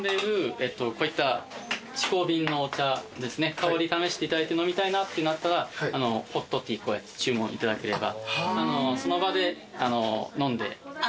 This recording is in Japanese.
香り試していただいて飲みたいなっていうのあったらホットティー注文いただければ。